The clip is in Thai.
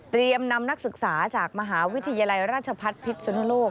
นำนักศึกษาจากมหาวิทยาลัยราชพัฒน์พิษสุนโลก